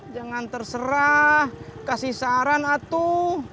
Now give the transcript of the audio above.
jangan terserah kasih saran atuh